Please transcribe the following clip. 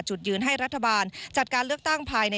ส่วนให้ดูซาวุ่นที่คุณกับท่าน